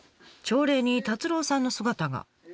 朝礼に達朗さんの姿が。